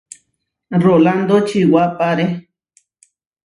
Rolándo čiʼwápare.